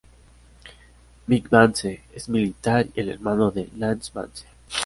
Vic Vance es militar y el hermano de Lance Vance.